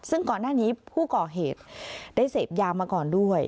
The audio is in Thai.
ซึ่งก่อนหน้านี้ผู้ก่อเหตุได้เสพยามาก่อนด้วย